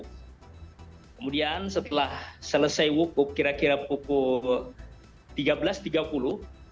kemudian setelah selesai wukuf kira kira pukul tiga belas tiga puluh